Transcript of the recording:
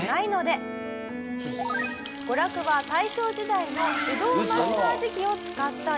娯楽は大正時代の手動マッサージ器を使ったり。